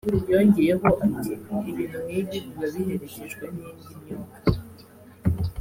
Yongeyeho ati 'Ibintu nk'ibi biba biherekejwe n'indi myuka'